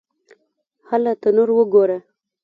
_هله! تنور وګوره!